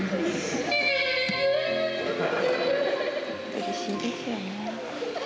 うれしいですよね。